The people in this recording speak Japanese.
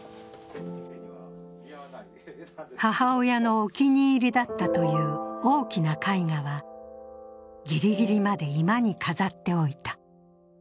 母親のお気に入りだったという大きな絵画はぎりぎりまで居間に飾っておいた。